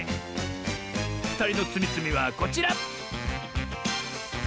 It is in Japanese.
ふたりのつみつみはこちら！